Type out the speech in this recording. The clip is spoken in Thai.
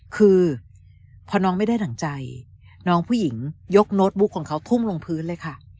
คือพอน้องไม่ได้ดั่งใจน้องผู้หญิงยกโน้ตบุ๊กของเขาทุ่มลงพื้นเลยค่ะ